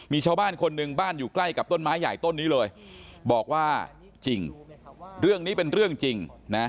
มีชาวบ้านคนหนึ่งบ้านอยู่ใกล้กับต้นไม้ใหญ่ต้นนี้เลยบอกว่าจริงเรื่องนี้เป็นเรื่องจริงนะ